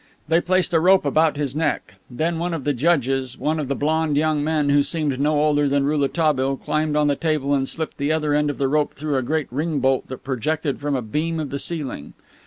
They placed a rope about his neck. Then one of the "judges," one of the blond young men, who seemed no older than Rouletabille, climbed on the table and slipped the other end of the rope through a great ring bolt that projected from a beam of the ceiling.